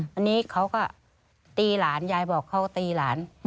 อันนี้เขาก็ตีหลานยายบอกเขาก็ตีหลาน